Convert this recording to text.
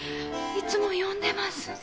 いつも読んでます。